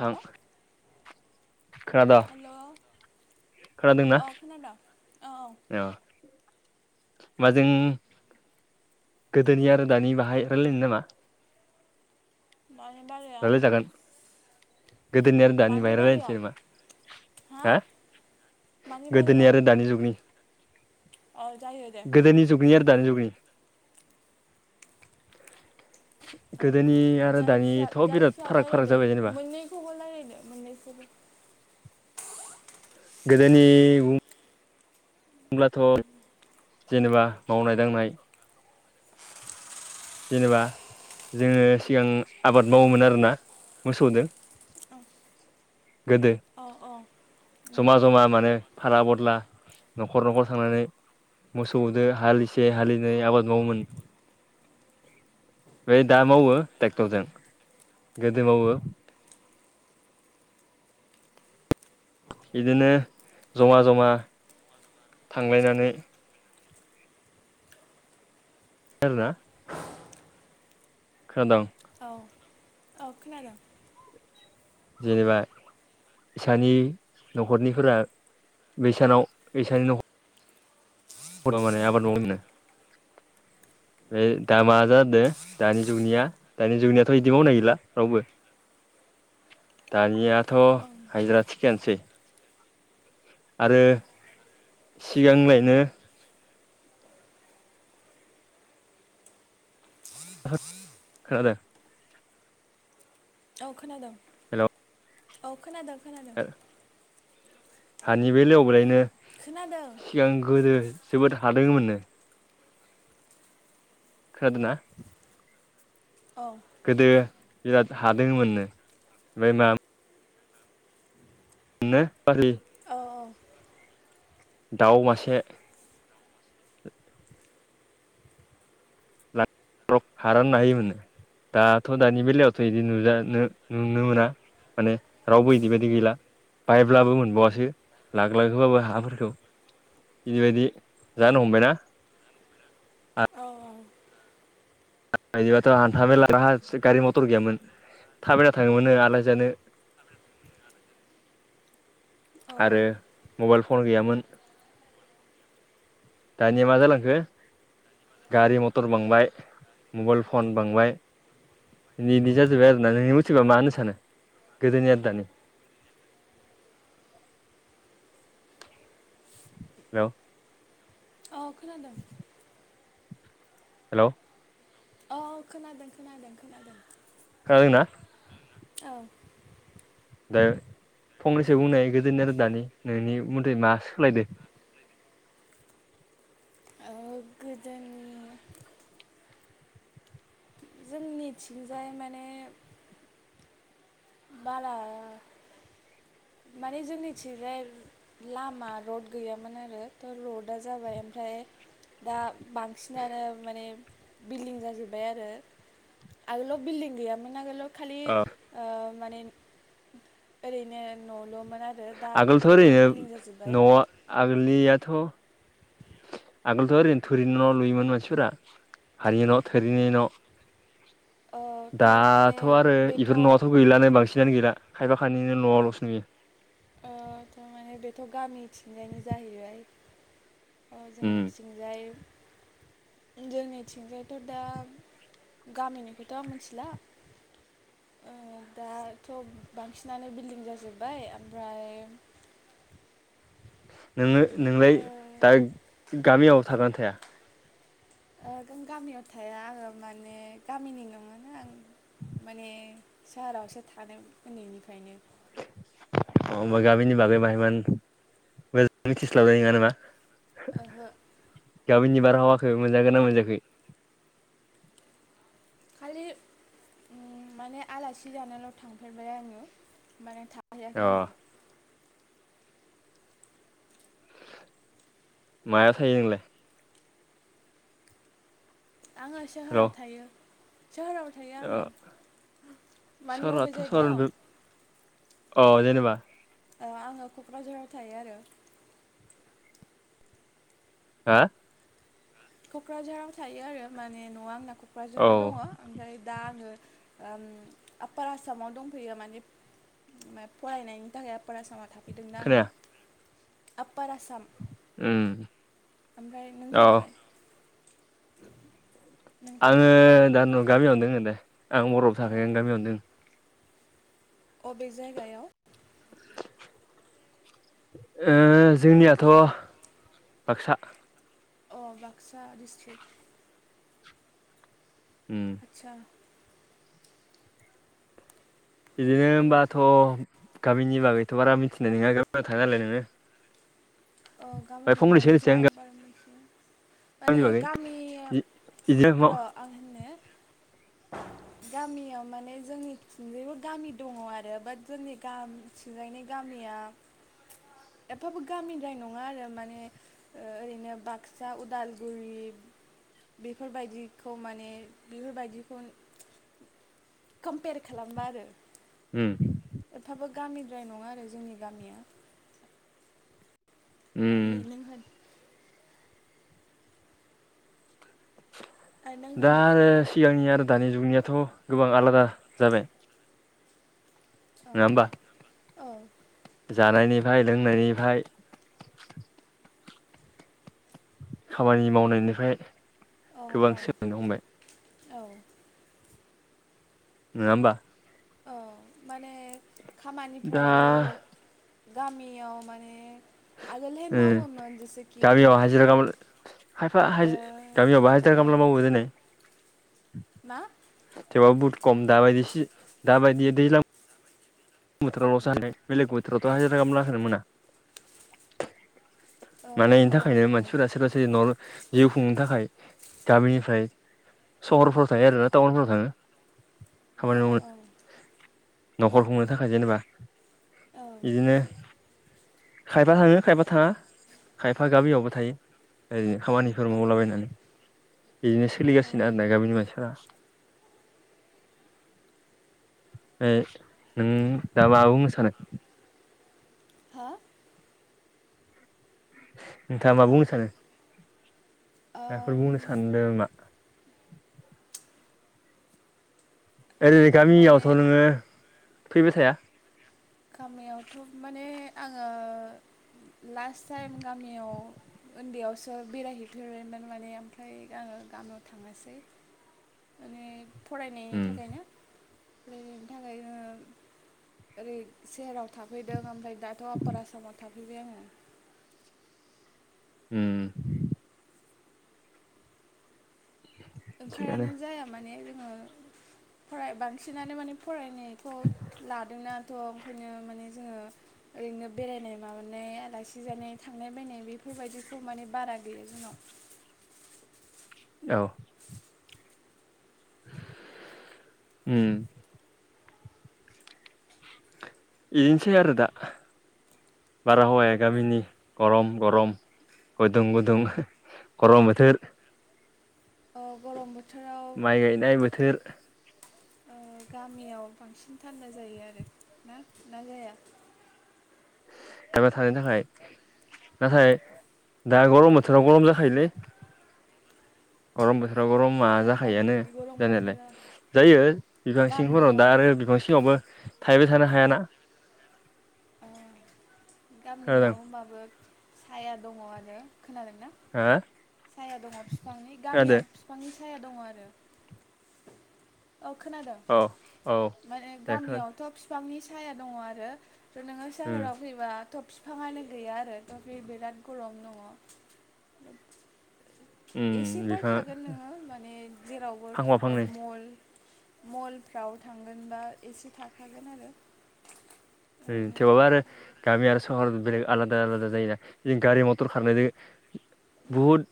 नोंथां हेल' अ' खोनादोंना खोनादों। औ माजों गोदोनि आरो दानि बाहाय रायलायनो नामा। मानि बारेयाव। रायलायजागोन गोदोनि आरो दानि बाय रायलायनोसै नामा हा हो मानि गोदोनि बारायाव आरो दानि जुगनि। अ जायो दे गोदोनि जुगनि आरो दानि जुगनि। गोदोनि आरो दानि जायखिया जायखिया रायलायदो मोननैखौबो रायलायदो मोननैखौबो। गोदोनि बुं होनब्लाथ' जेनेबा मावनाय दांनाय जेनेबा जोङो सिगां आबाद मावोमोन आरोना मोसौदों। गोदो औ औ जमा जमा माने फारा बदला न'खर न'खर थांनानै मोसौदो हालिसे हालिनै आबाद मावोमोन। बे दा मावो ट्रेक्टरजों गोदो मावो [inaudible] बिदिनो जमा जमा थांलायनानै खोनादोंना। खोनादों। औ - औ खोनादों। जेनेबा इसानि न'खरनिफोरा बैसानाव बिसानि नखर माने आबाद मावोमोननो। बे दामा जादों दानि जुगनिया दानि जुगनियाथ' बिदि मावनाय गैला रावबो। दानियाथ' औ हायद्रा थिखायानोसै। आरो सिगांलायनो खोनादों। औ खोनादों औ खोनादों। खोनादों हानि बेलायावबोलायनो खोनादों सिगां गोदो जोबोद हादों मोननो। खोनादों ना औ गोदो बिराद हादोंमोननो ओमफ्राय मा [unintelligible] औ - औ। दाउ मासे औ हा रानना होयोमोननो दाथ' दानि बेलायावथ' इदि नुजानो नुनो मोना माने रावबो इदिबादि गैला बायब्लाबो मोनबावासो लाग लाग होबाबो हाफोरखौ इदिबायदि जानो हमबायना औ इदिबाथ' हान्था मेला हा गारि मथर गैयामोन थाबायना थांङोमोननो आलासि जानो [inaudible] औ [inaudible] आरो मबाइल फन गैयामोन दानिया मा जालांखो गारि मटर बांबाय मबाइल फन बांबाय इनि इदि जाजोबबाय आरोना नोंनि मथिबा मा होनो सानो गोदोनि आरो आदानि [inaudible] हेलौ औ खोनदों हेलौ अ खोनादों खोनादों खोनादों खोनादों ना औ दा फंनैसो बुंनाय गोदोनि आरो दानि नोंनि मथि मा सोलायदो गोदोनि जोंनिथिंजाय माने बाला [inaudible] माने जोंनिथिंजाय लामा रड गैयामोन आरो थ'रता जाबाय आमफ्राय दा बांसिनानो माने बिल्डिं जाजोबबाय आरो आगोलाव बिल्डिं गैयामोन आगोलाव खालि माने ओरैनो न'ल' मोन आगोलथ' ओरैनो न' आगोलनिआथ' आगोलथ' ओरैनो थोरिनि न' लुयोमोन मानसिफोरा हारिनि न' थोरिनि न' ओ थ' माने दाथ' आरो बेथ' इफोर ओ न'आथ' गैलानो बांसिनानो गैला खायफा खाइनि बिदिनो न'आवल'सो‌ नुयो ओ थ'माने बेथ' गामि थिंजायनायनि जाहैबाय ओ उम जोंनिथिंजाय उम जोंनिथिंजायथ' दा गामिनिखौथ' मिथिला ओ दाथ' बांसिनानो बिल्डिं जाजोबबाय आमफ्राय नोङो नोंलाय दा गामिआव थागान ना थाया ओ गामियाव थाया आङो माने गामिनि नङोना आं माने सोहारावसो थादों उन्दैनिफ्रायनो ओ गामिनि बागै बाहायमोन मोजां मिथिस्लाबनाय नङा नामा? ओहो गाबिनि बारहावाखौ मोनजागोन ना मोनजायाखै खालि उम माने आलासि जानाल' थांफेरबाय आङो माने थाहैआखै अ आङो मायाव थायो नोंलाइ आङो हेल' सोहोराव थायो सोहोराव थायो अ आङो मानि अबे सहराथ' सहर जायगाआव अ जेनोबा ओ आङो क'क्राझाराव थायो आरो हो क'क्राझाराव थायो आरो माने न'आ आंना औ क'क्राझाराव दङ ओमफ्राय दा आङो ओम आपार आसामाव दंफैयो माने फरायनायनि थाखाय परायनाय समाव थाफैदोंना खोनाया आङो अपार आसाम उम ओमफ्राय औ नोंथाङालाय? नोंथाङा आङो द न' गामियावनो दङ दे आं बरफ थाखायायो आं गामियावनो द। अबे जायगायाव? [inaudible] ओ जोंनियाथ' बाक्सा। अ बाक्सा ड्रष्टिक। उम आतसासा बिदिनो थ' हबाथ' गामिनि बागैथ' बारा मिथिनाय नङा गामि थाङ नालाय नोङो। अ ओमफ्राय गामिनि फंनैसो बागैथ होनोसै आं बारा मिथिया। माने गामिनि बागै गामिया बिदिनो र मा आं होननो [inaudible] गामियाव माने जोंनिथिंजायबो गामि दङ आरो बाट जोंनि गामिसिंजायनि गामि या एफाबो गामि द्राय नङा आरो माने ओ ओरैनो बाक्सा उदालगुरि बेफोरबायदिखौ माने बेफोरबायदिखौ कमपेयार खालामबा आरो उम। एफाबो गामिद्राय नङा आरो जोंनि गामिया। उम [unintelligible] ओ नों दा होनदो आङो सिगांनि आरो दानि जुगनियाथ गोबां आलादा जाबाय नङा होमबा औ औ। जानायनिफ्राय लोंनायनिफ्राय खामानि मावनायनिफ्राय औ गोबां औ सोलायनो हमबाय। औ। नङा होनबा। औ माने दा खामानिफ्राबो गामियाव माने आगोलहाय उम मावोमोन जेसेखि गामियाव हाजिरा खालामनो खायफा ओ हाजि गामियावबो हाजिरा ओ खामला [unintelligible] मा थेवब्लाबो बुहुत खम दाबायदि दाबायदि दैलां बोथोरावलसो हानाय बेलेग बोथोरावथ हाजिरा खामलाखोनो मोना। ओ माने बेनि औ थाखायनो मानसिफोरा सोरबा सोरबा नआवनो जिउ खुंनो थाखाय गामिनिफ्राय सहरफ्राव थायो आरोना टाउनफोराव थाङो। खामानि औ मावनो नखर खुंनो थाखाय जेनेबा औ बिदिनो खायफा थाङो खायफा थाङा खायफा गामियावबो थायो ओरैनो। खामानिफोर औ मावलाबायनानै बिदिनो सोलिगासिनो औ आरो ना गामिनि मानसिफोरा। ए। नों दा मा बुंनो सानो? हा? नोंथाङा मा हो बुंनो सानो? माबाफोर ओम बुंनो सानदों नामा? ओरै ओ माने गामियावथ नोङो फैबाय थाया? गामियावथ माने आङो लास्ट टाइम गामियाव उन्दैयावसो बेरायहैफेरोमोन माने ओमफ्राय आङो गामियाव थाङासै। माने [inaudible] फरायनायनि उम थाखायनो फरायनायनि थाखायनो ओरै सेहेराव थाफैदों ओमफ्राय दाथ आफार आसामाव थाफैबाय आङो। उम। थिगानो ओंखारानो जाया माने जोङो फराय बांसिनानो माने फरायनो खौ लादोंना थ ओंखायनो माने जोङो ओरैनो बेरायनाय माबानाय आलासि जानाय थांनाय बायनाय बेफोर बायदिखौ माने बारा गैया जोंनाव औ उम बिदिनोसै आरो दा बार हावाया गामिनि गरम गरम गुदुं गुदुं गरम बोथोर अ गरम बोथोर माइ गायनाय बोथोर ओ गामियाव बांसिन थान्दा जायो आरो ना ना जाया। एबा थानो थाखाय नाथाय दा औ गरम ना बोथोराव गरम जाखायोलै। गरम बोलो गरमा बाट जाखायोआनो गरम जानायालाय बोथोरा जायो बिफां सिंफोराव दा गामियाव आरो बिफां सिङावबो थाहैबाय थानो हायाना अ गामियाव खोनादों होमबाबो साया दङ आरो। खोनादोंना हो साया दङ फिफांनि खोनादो गामियाव फिफांनि साया दङ आरो। औ खोनादों औ औ माने दे खोनादो गामियावथ' बिफांनि साया दङ आरो। नोङो उम सहोराव फैबा थ' फिफांआनो गैया आरो थ बे बिराद गरम दङ। उम एसेफोर बिफाङा थागोन नोङो माने जेरावबो फांफा थागोन फांनै मल मलफ्राव थांगोनबा एसे थाखागोन आरो उम ओरैनोथ' थेवबाबा आरो गामि आरो सहर बेलेग आलादा आलादा जायोना जों गारि मथर खारनायजों बुहुद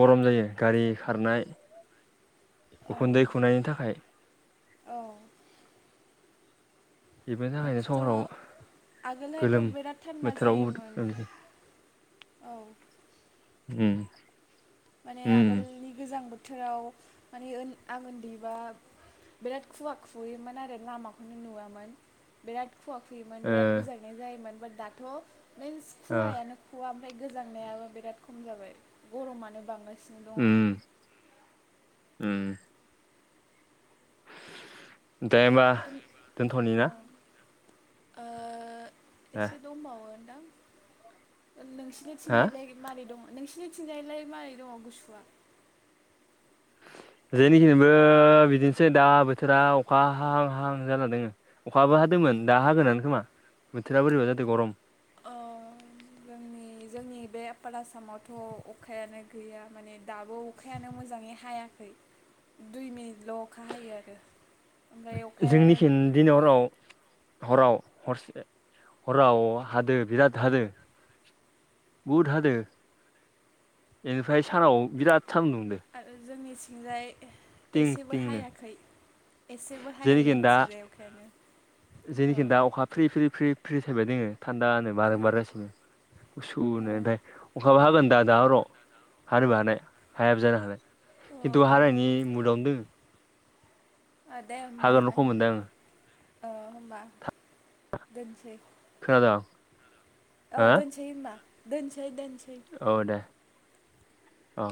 गरम जायो गारि खारनाय औ उखुन्दै खुंनायनि थाखाय। औ बेफोरनि थाखायनो थ' सहराव गोलोम आगोलहायथ' बिराद थान्दा बोथोराव जायोमोन। उम औ उम माने आगोलनि गोजां बोथोराव माने ओ‌ आं उन्दै बा बिराद खुवा खुयोमोन आरो लामाखौनो नुवामोन बिराद खुवा खुयोमोन ओ बिराद गोजांनाय जायोमोन बाट दाथ' मिन्स ओ खुवायानो खुवा माने गोजांनायाबो बिराद खम जाबाय गरमानो बांनाय उम उम दे होमबा दङ दोनथ'नि ना अ ओ दे एसे दंबावो। दां हा नोंसिनिथिंजायलाय मारै दंङ नोंसिनि थिंजायलाय मारै दङ गुसुआ [unintelligible] जोंनिथिंबो बिदिनोसै दा बोथोरा अखा हाहां हाहां जाना दोंङो अखाबो हादों मोन दा हागोनानो खोमा बोथोरा बोरैबा जादों गरम। ओ जोंनि जोंनि बे आपार आसामावथ' अखायानो गैया माने दाबो अखायानो मोजाङै हायाखै। [inaudible] दुइ मिनिटल' अखा हायो आरो ओमफ्राय अखायानो जोंनिखिन दिनै हराव हराव हरसे हराव हादो बिराद हादो बुहुद हादो बेनिफ्राय सानाव बिराद सानदुं दुंदो। जोंनि सिंजाय थिं एसेबो थिंनो हायाखै एसेबो हाया जोंनिथिंजाय अखायानो औ जोंनिखि दा अखा फ्रि फ्रि फ्रि गुसुनो ओमफ्राय अखाबा हागोन दा दा हराव हानोबो हानाय हायाबो जानो हानाय ओ खिन्थु ओ हानायनि मुदावनो दोङो दे होमबा हागोनखौ मोनदों आङो ओ औ होमबा दोनसै खोनादों अ हो दोनसेै होमबा दोनसै दे औ दे औ